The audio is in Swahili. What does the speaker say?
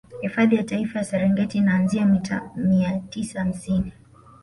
Hifadhi ya Taifa ya Serengeti inaanzia mita mia tisa hamsini